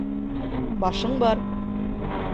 — Башың бар.